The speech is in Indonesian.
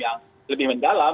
yang lebih mendalam